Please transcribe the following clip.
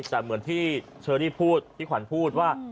แต่เหมือนที่เชอรี่พูดที่ขวัญพูดว่า